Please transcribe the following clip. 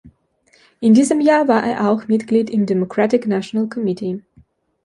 In diesem Jahr war er auch Mitglied im Democratic National Committee.